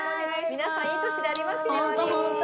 皆さんいい年でありますように。